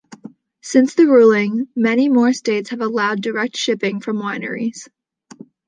Since the ruling, many more states have allowed direct shipping from wineries.